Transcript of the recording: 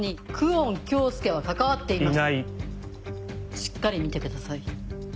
しっかり見てください。